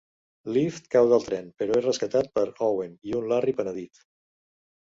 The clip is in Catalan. Lift cau del tren però és rescatat per Owen i un Larry penedit.